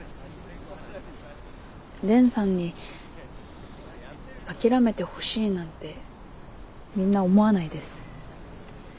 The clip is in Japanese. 蓮さんに諦めてほしいなんてみんな思わないです。